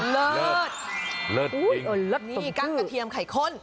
เลิศเลิศจริงนี่กล้างกระเทียมไข่ข้น